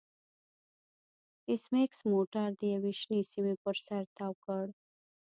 ایس میکس موټر د یوې شنې سیمې پر سر تاو کړ